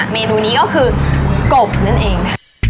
เมนูนี้ก็คือกบนั่นเอง